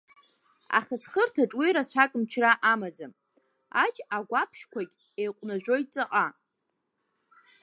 Ахыҵхырҭаҿ уи рацәак мчра амаӡам, аџь агәаԥшьқәагь еиҟәнажәоит ҵаҟа.